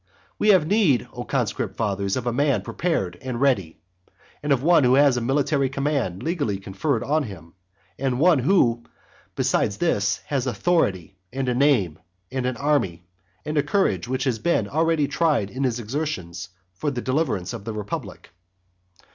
We have need, O conscript fathers, of a man ready and prepared, and of one who has a military command legally conferred on him, and of one who, besides this, has authority, and a name, and an army, and a courage which has been already tried in his exertions for the deliverance of the republic.